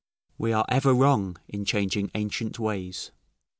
["We are ever wrong in changing ancient ways."